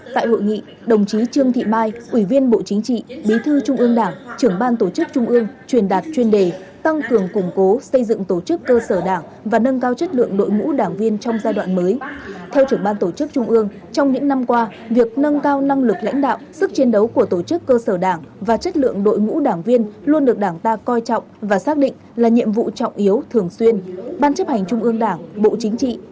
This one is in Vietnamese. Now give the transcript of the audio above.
dự hội nghị tại điểm cầu bộ công an trung ương lãnh đạo các đồng chí trong đảng ủy viên bộ chính trị ban bế thư ủy viên trung ương đảng các tổ chức chính trị xã hội trong toàn hệ thống chính trị